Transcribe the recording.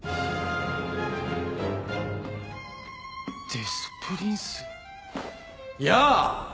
デス・プリンス？やぁ！